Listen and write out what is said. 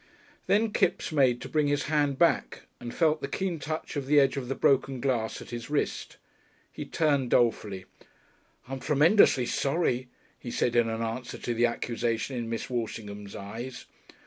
Then Kipps made to bring his hand back, and felt the keen touch of the edge of the broken glass at his wrist. He turned dolefully. "I'm tremendously sorry," he said in answer to the accusation in Miss Walshingham's eyes.